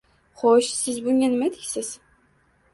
Xo`sh, Siz bunga nima deysiz